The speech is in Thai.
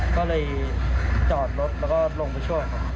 ก็เลยจอดรถแล้วก็ลงผู้ชมครับ